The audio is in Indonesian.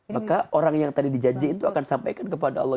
maka orang yang tadi dijanjikan itu akan sampaikan kepada allah